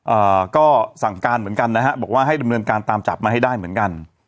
เอ่อก็สั่งการเหมือนกันนะฮะบอกว่าให้ดำเนินการตามจับมาให้ได้เหมือนกัน